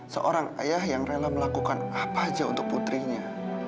seorang ayah yang rela melakukan apa aja untuk putrinya